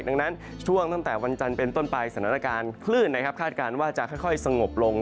ดังนั้นช่วงตั้งแต่วันจันทร์เป็นต้นไปสถานการณ์คลื่นนะครับคาดการณ์ว่าจะค่อยสงบลง